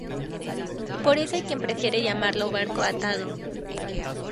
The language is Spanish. Por eso hay quien prefiere llamarlo barco "atado".